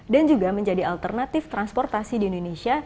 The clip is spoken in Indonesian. dan juga menjadi alternatif transportasi di indonesia